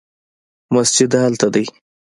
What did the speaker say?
مسجد هلته دی